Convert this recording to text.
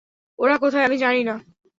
ওরা কোথায় আমি জানি না।